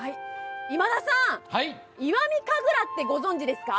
今田さん、石見神楽ってご存じですか？